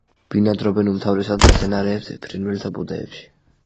ბინადრობენ უმთავრესად მცენარეებზე, ფრინველთა ბუდეებში.